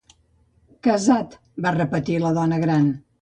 "Casat", va repetir la dona gran.